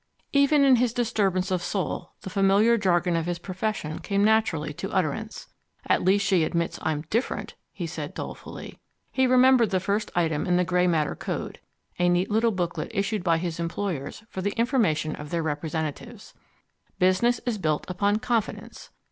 Even in his disturbance of soul the familiar jargon of his profession came naturally to utterance. "At least she admits I'm DIFFERENT," he said dolefully. He remembered the first item in the Grey Matter Code, a neat little booklet issued by his employers for the information of their representatives: Business is built upon CONFIDENCE.